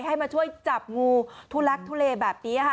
ให้มาช่วยจับงูทุลักทุเลแบบนี้ค่ะ